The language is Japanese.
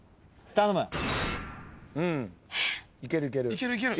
いけるいける。